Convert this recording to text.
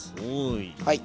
はい。